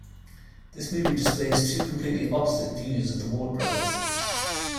This movie displays two completely opposite views of the Ward brothers.